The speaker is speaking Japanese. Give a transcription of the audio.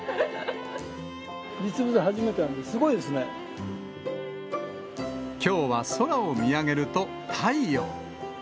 実物は初めて見たんで、きょうは空を見上げると、太陽。